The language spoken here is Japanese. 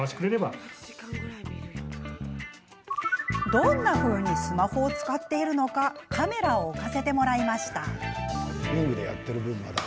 どんなふうにスマホを使っているのかカメラを置かせてもらいました。